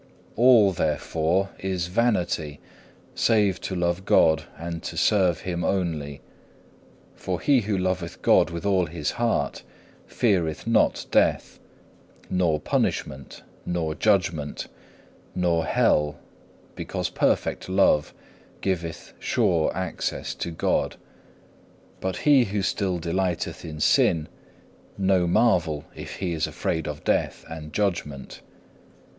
All therefore is vanity, save to love God and to serve Him only. For he who loveth God with all his heart feareth not death, nor punishment, nor judgment, nor hell, because perfect love giveth sure access to God. But he who still delighteth in sin, no marvel if he is afraid of death and judgment.